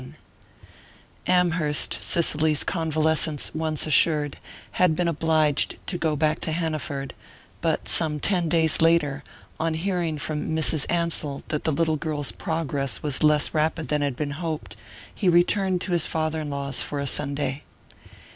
XLI AMHERST, Cicely's convalescence once assured, had been obliged to go back to Hanaford; but some ten days later, on hearing from Mrs. Ansell that the little girl's progress was less rapid than had been hoped, he returned to his father in law's for a Sunday.